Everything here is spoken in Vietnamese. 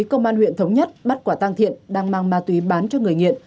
công an huyện thống nhất bắt quả tăng thiện đang mang ma túy bán cho người nghiện